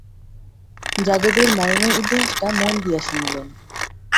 যাদবের মরণের ইতিহাসটা মন দিয়া শুনিলেন।